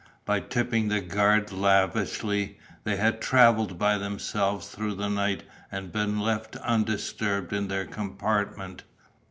By tipping the guard lavishly, they had travelled by themselves through the night and been left undisturbed in their compartment.